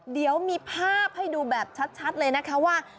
เดี๋ยวมีภาพให้ดูแบบชัดเลยนะคะว่า